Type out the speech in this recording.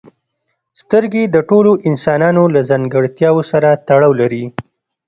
سترګې د ټولو انسانانو له ځانګړتیاوو سره تړاو لري.